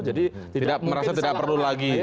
jadi tidak merasa tidak perlu lagi